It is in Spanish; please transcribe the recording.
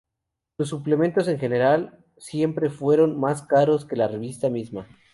Los suplementos en general siempre fueron más caros que la revista misma.